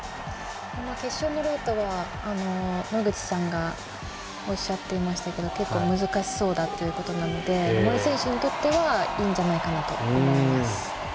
決勝、野口さんがおっしゃっていましたが結構、難しそうだということなので森選手にはいいんじゃないかなと思います。